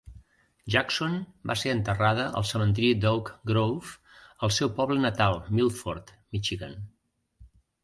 Jackson va ser enterrada al cementiri d'Oak Grove, al seu poble natal, Milford, Michigan.